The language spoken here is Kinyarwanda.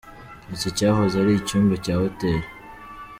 Iki cyahoze ari icyumba cya Hotel.